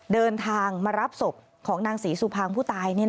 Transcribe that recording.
เดินทางมารับศพของนางศรีสุภางผู้ตาย